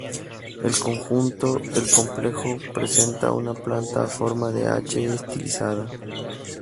El conjunto el complejo presenta una planta a forma de H estilizada.